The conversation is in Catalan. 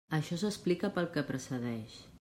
Això s'explica pel que precedeix.